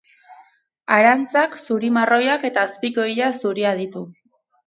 Arantzak zuri marroiak eta azpiko ilea zuria ditu.